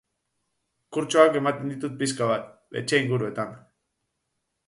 Kurtsoak emaiten ditut pixka bat, etxe inguruetan.